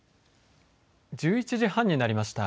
１１時半になりました。